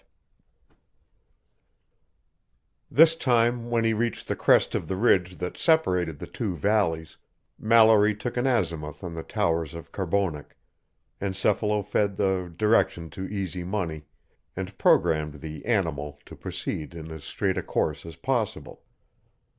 V This time when he reached the crest of the ridge that separated the two valleys, Mallory took an azimuth on the towers of Carbonek, encephalo fed the direction to Easy Money, and programmed the "animal" to proceed in as straight a course as possible.